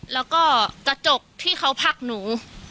แล้วก็กระจกที่เขาพักหนู